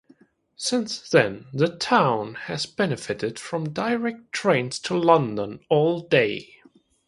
Since then the town has benefited from direct trains to London all day.